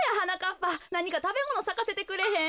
っぱなにかたべものさかせてくれへん？